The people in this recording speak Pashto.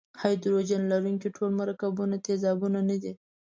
هایدروجن لرونکي ټول مرکبونه تیزابونه نه وي.